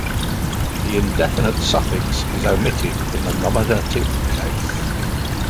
The indefinite suffix is omitted in the nominative case.